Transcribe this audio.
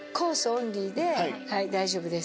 オンリーで大丈夫です。